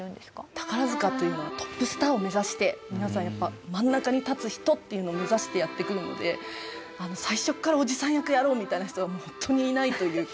宝塚というのはトップスターを目指して皆さんやっぱ真ん中に立つ人っていうのを目指してやって来るので最初っからおじさん役をやろうみたいな人はもうホントにいないというか。